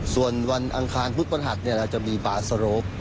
ส่วนวันอังคารพุทธประหัสจะมีป่าสโรค